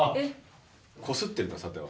こすってるな、さては。